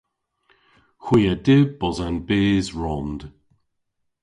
Hwi a dyb bos an bys rond.